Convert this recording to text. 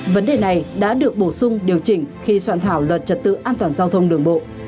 vấn đề này đã được bổ sung điều chỉnh khi soạn thảo luật trật tự an toàn giao thông đường bộ